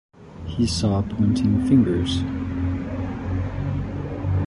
He saw pointing fingers.